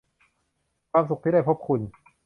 ความสุขที่ได้พบคุณ